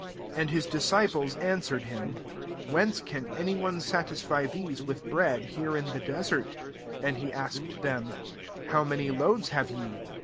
4 And his disciples answered him, " Whence can any one satisfy these with bread here in the desert ?*' 5 And he asked them, " How many loaves have ye